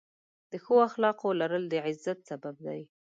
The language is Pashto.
د ښو اخلاقو لرل، د عزت سبب دی.